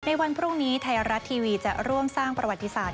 วันพรุ่งนี้ไทยรัฐทีวีจะร่วมสร้างประวัติศาสต